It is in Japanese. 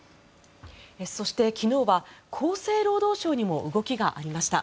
そして昨日は厚生労働省にも動きがありました。